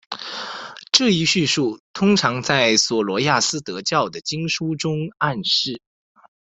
这一叙述通常在琐罗亚斯德教的经书中暗示。